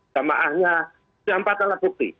samaahnya itu empat alat bukti